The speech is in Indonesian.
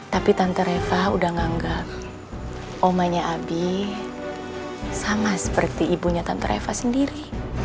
tapi tante reva udah menganggap omanya abi sama seperti ibunya tante eva sendiri